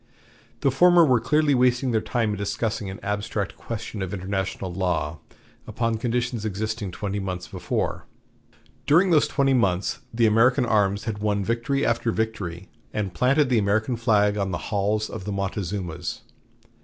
The former were clearly wasting their time in discussing an abstract question of international law upon conditions existing twenty months before. During those twenty months the American arms had won victory after victory, and planted the American flag on the "halls of the Montezumas."